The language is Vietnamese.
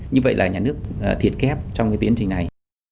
như vậy là nhà nước thiệt kép trong cái tiến trình này